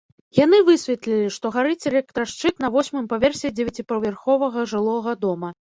Яны высветлілі, што гарыць электрашчыт на восьмым паверсе дзевяціпавярховага жылога дома.